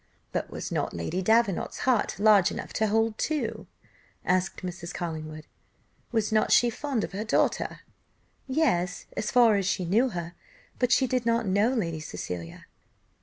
"But was not Lady Davenant's heart large enough to hold two?" asked Mrs. Collingwood. "Was not she fond of her daughter?" "Yes, as far as she knew her, but she did not know Lady Cecilia."